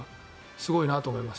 すごいなと思います。